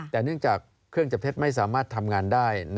แต่เนื่องจากเครื่องจับเท็จไม่สามารถทำงานได้